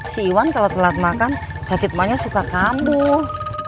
si iwan kalau telat makan sakit mahnya suka kambuh